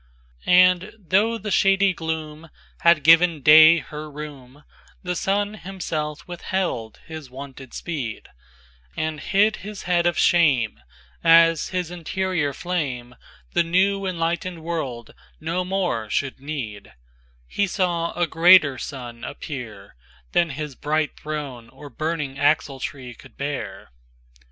VIIAnd, though the shady gloomHad given day her room, The Sun himself withheld his wonted speed, And hid his head of shame, As his inferior flameThe new enlightened world no more should need:He saw a greater Sun appearThan his bright Throne or burning axletree could bear.